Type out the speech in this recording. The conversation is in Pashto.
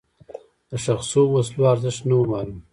د ښخ شوو وسلو ارزښت نه و معلوم.